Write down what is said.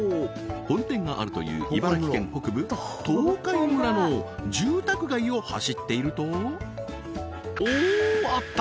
本店があるという茨城県北部東海村の住宅街を走っているとおおあった！